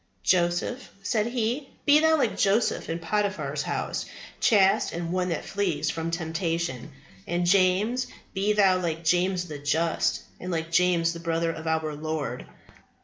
Joseph, said he, be thou like Joseph in Potiphar's house, chaste, and one that flees from temptation. And James, be thou like James the Just, and like James the brother of our Lord.